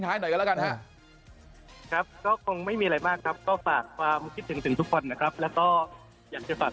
ครับไม่เป็นไรครับเดี๋ยวนัดหมายกันอีกรอบหนึ่ง